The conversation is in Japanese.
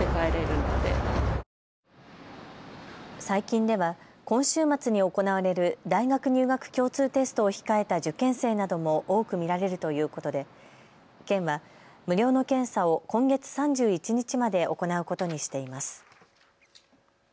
最近では今週末に行われる大学入学共通テストを控えた受験生なども多く見られるということで県は無料の検査を今月３１日まで行うことにしています。